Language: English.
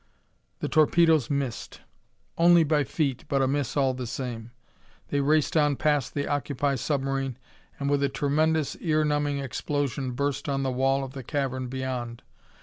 The torpedoes missed. Only by feet, but a miss all the same. They raced on past the octopi submarine and, with a tremendous, ear numbing explosion, burst on the wall of the cavern beyond.